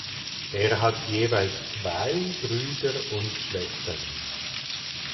Er hat jeweils zwei Brüder und Schwestern.